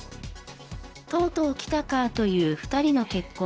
とうとう来たかという２人の結婚。